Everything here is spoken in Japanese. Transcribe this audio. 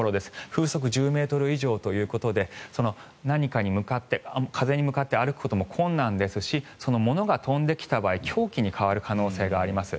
風速１０ｍ以上ということで風に向かって歩くことも困難ですし物が飛んできた場合凶器に変わる可能性があります。